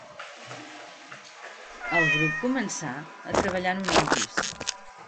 El grup començà a treballar en un nou disc.